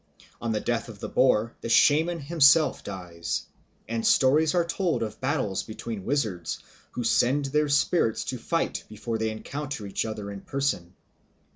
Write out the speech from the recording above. On the death of the boar the shaman himself dies; and stories are told of battles between wizards, who send their spirits to fight before they encounter each other in person.